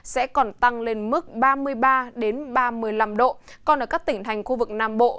sẽ còn tăng lên mức ba mươi ba ba mươi năm độ còn ở các tỉnh thành khu vực nam bộ